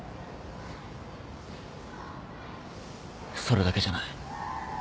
それだけじゃない。